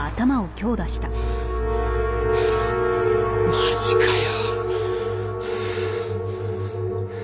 マジかよ。